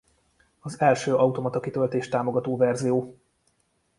Az első automata kitöltést támogató verzió.